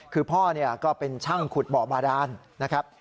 คือพ่อก็เป็นช่างขุดบ่อบาดานนะครับ